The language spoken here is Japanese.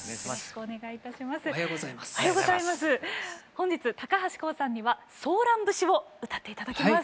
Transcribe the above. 本日高橋孝さんには「ソーラン節」を歌って頂きます。